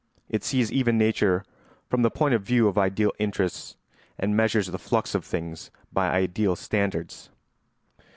It sees even nature from the point of view of ideal interests, and measures the flux of things by ideal standards.